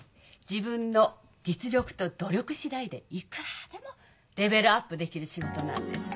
自分の実力と努力次第でいくらでもレベルアップできる仕事なんです。